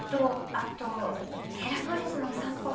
あとヘラクレスのお散歩。